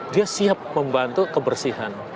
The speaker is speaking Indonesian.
dia siap membantu kebersihan